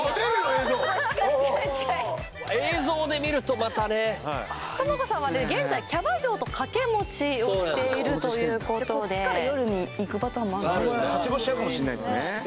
映像近い近い近い映像で見るとまたねトモコさんは現在キャバ嬢と掛け持ちをしているということでじゃこっちから夜にいくパターンもあるんだはしごしちゃうかもしんないすね